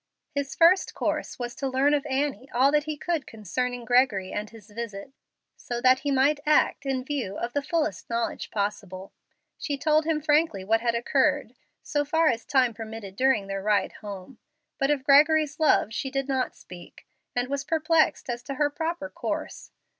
His first course was to learn of Annie all that he could concerning Gregory and his visit, so that he might act in view of the fullest knowledge possible. She told him frankly what had occurred, so far as time permitted during their ride home. But of Gregory's love she did not speak, and was perplexed as to her proper course.